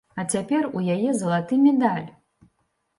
А цяпер у яе залаты медаль!